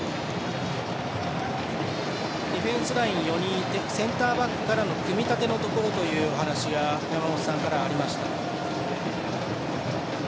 ディフェンスライン４人いてセンターバックからの組み立てのところというお話が山本さんからはありました。